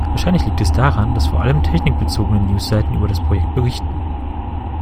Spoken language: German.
Wahrscheinlich liegt es daran, dass vor allem technikbezogene News-Seiten über das Projekt berichten.